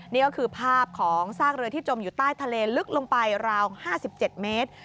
นี่ก็คือภาพของซากเรือที่จมอยู่ใต้ทะเลลึกลงไปราว๕๗เมตร